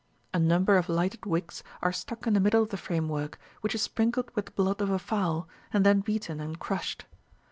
A number of lighted wicks are stuck in the middle of the framework, which is sprinkled with the blood of a fowl, and then beaten and crushed.